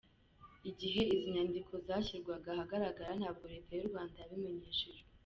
Igihe izi nyandiko zashyirwaga ahagaragara ntabwo Leta y’u Rwanda yabimenyeshejwe.